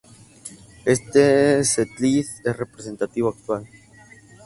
Este setlist es representativo actual.